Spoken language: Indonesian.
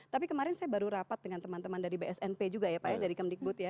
tapi kemarin saya baru rapat dengan teman teman dari bsnp juga ya pak ya dari kemdikbud ya